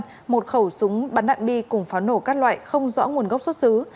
một khẩu súng bắn đạn bi cùng pháo nổ các loại không rõ nguồn gốc xuất xứ